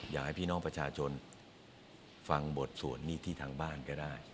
อยากให้พี่น้องประชาชนฟังบทสวดนี้ที่ทางบ้านก็ได้